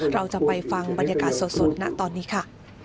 เราจะไปฟังบรรยากาศสดณตอนนี้ค่ะ